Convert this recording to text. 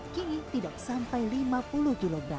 kini tidak sampai lima puluh kg